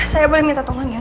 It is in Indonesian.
saya boleh minta tolong ya